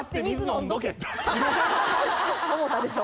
思たでしょ